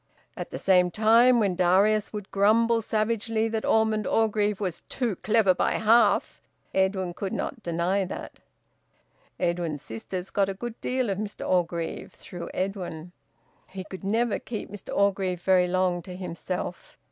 (At the same time, when Darius would grumble savagely that Osmond Orgreave `was too clever by half,' Edwin could not deny that.) Edwin's sisters got a good deal of Mr Orgreave, through Edwin; he could never keep Mr Orgreave very long to himself.